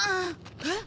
えっ。